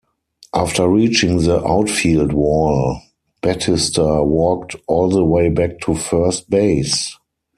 After reaching the outfield wall, Batista walked all the way back to first base.